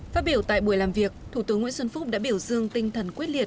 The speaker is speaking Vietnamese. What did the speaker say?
phát biểu tại buổi làm việc thủ tướng nguyễn xuân phúc đã biểu dương tinh thần quyết liệt